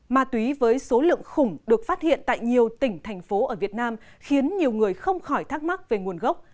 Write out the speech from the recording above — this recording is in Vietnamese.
ma túy với số lượng khủng được phát hiện tại nhiều tỉnh thành phố ở việt nam khiến nhiều người không khỏi thắc mắc về nguồn gốc